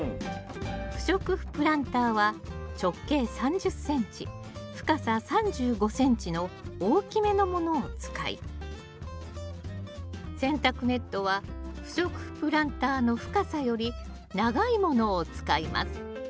不織布プランターは直径３０ｃｍ深さ３５ｃｍの大きめのものを使い洗濯ネットは不織布プランターの深さより長いものを使います